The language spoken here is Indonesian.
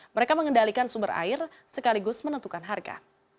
mereka mengendalikan sumber air sekaligus menentukan harga